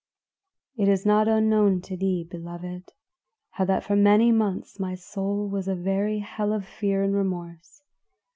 "It is not unknown to thee, beloved, how that for many months my soul was a very hell of fear and remorse.